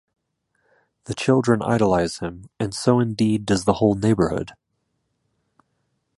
The children idolise him, and so indeed does the whole neighbourhood.